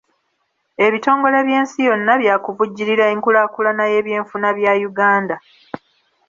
Ebitongole by'ensi yonna bya kuvujjirira enkulaakulana y'ebyenfuna bya Uganda.